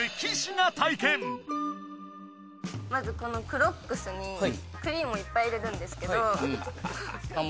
まずこのクロックスにクリームをいっぱい入れるんですけどあっ